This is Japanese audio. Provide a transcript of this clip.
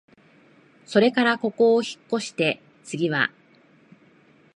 それからここをひっこして、つぎは、